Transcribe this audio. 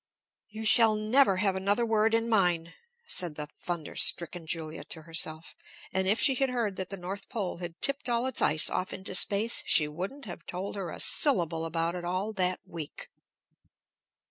"You shall never have another word in mine!" said the thunderstricken Julia to herself. And if she had heard that the North Pole had tipped all its ice off into space, she wouldn't have told her a syllable about it all that week.